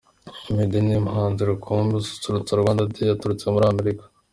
Meddy ni we muhanzi rukumbi uzasusurutsa Rwanda Day aturutse muri Amerika.